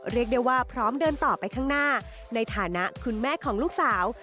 เรียกได้ว่าพร้อมเดินต่อไปข้างหน้าในฐานะคุณแม่ของลูกสาว